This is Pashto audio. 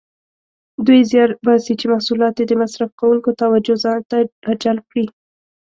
دوی زیار باسي چې محصولات یې د مصرف کوونکو توجه ځانته راجلب کړي.